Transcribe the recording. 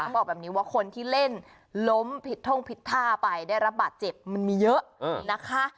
บอกแบบนี้ว่าคนที่เล่นล้มผิดท่องผิดท่าไปได้รับบาดเจ็บมันมีเยอะนะคะ